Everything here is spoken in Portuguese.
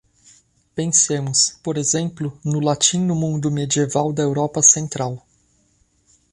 Pensemos, por exemplo, no latim no mundo medieval da Europa Central.